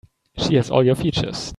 She has all your features.